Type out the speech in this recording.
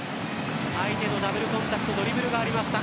相手のダブルコンタクトドリブルがありました。